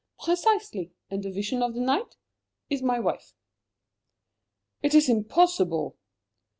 '" "Precisely. And 'A Vision of the Night' is my wife." "It is impossible!"